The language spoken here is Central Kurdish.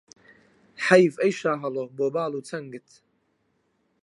حەیف ئەی شاهەڵۆ بۆ باڵ و چەنگت